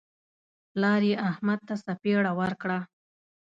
پلار یې احمد ته څپېړه ورکړه.